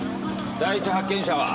第一発見者は？